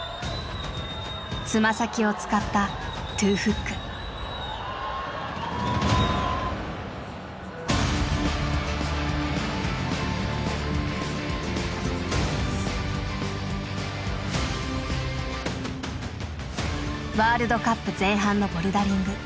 つま先を使ったワールドカップ前半のボルダリング。